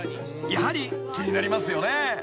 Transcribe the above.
やはり気になりますよね］